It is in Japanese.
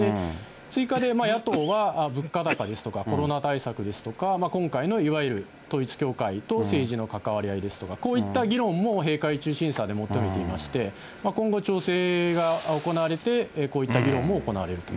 追加で、野党は物価高ですとか、コロナ対策ですとか、今回のいわゆる統一教会と政治の関わり合いですとか、こういった議論も閉会中審査で求めていまして、今後調整が行われて、こういった議論も行われると。